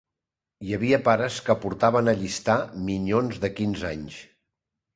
Hi havia pares que portaven a allistar minyons de quinze anys